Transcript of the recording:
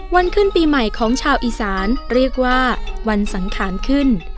ขึ้นปีใหม่ของชาวอีสานเรียกว่าวันสังขารขึ้น